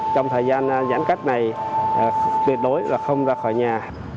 trong thời gian giãn cách này tuyệt đối là không ra khỏi nhà